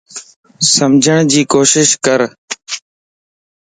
سمجھڙجي ڪوشش ڪر